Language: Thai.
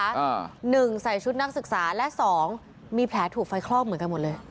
อ่าหนึ่งใส่ชุดนักศึกษาและสองมีแผลถูกไฟคลอกเหมือนกันหมดเลย